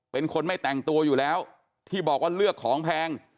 เป็นคนไม่แต่งตัวอยู่แล้วที่บอกว่าเลือกของแพง